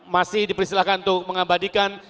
masih dipersilakan untuk mengabadikan